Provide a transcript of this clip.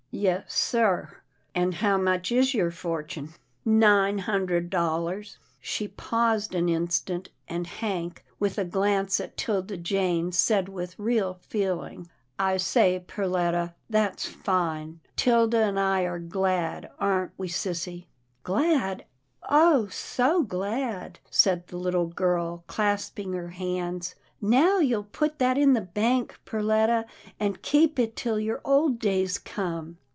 "Yes sir." " And how much is your fortune ?"" Nine hundred dollars —" She paused an instant, and Hank, with a glance at 'Tilda Jane, said with real feeling, " I say Per letta, that's fine. 'Tilda and I are glad, aren't we, sissy?" " Glad — oh ! so glad," said the little girl, clasp ing her hands. " Now you'll put that in the bank, Perletta, and keep it till your old days come."